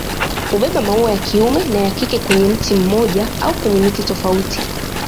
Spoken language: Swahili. Hubeba maua ya kiume na ya kike kwenye mti mmoja au kwenye miti tofauti.